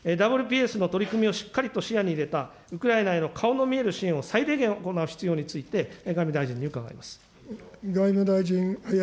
ＷＰＳの取り組みをしっかりと視野に入れた、ウクライナへの顔の見える支援を最大限行う必要について、外務大臣に伺います。